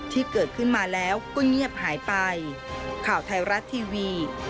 ที่เกิดขึ้นมาแล้วก็เงียบหายไป